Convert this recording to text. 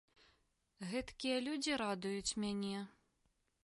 Гэткія людзі радуюць мяне.